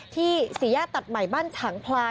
ที่สี่แยกตัดใหม่บ้านถังพลา